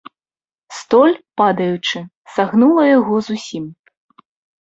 Столь, падаючы, сагнула яго зусім.